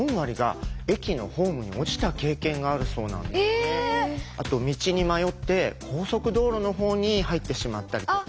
例えばあと道に迷って高速道路のほうに入ってしまったりとか。